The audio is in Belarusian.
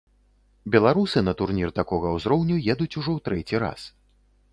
Беларусы на турнір такога ўзроўню едуць ужо ў трэці раз.